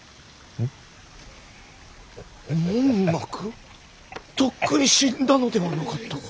文覚とっくに死んだのではなかったか。